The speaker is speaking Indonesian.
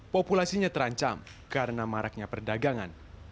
populasinya terancam karena maraknya perdagangan